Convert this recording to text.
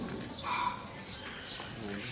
อืม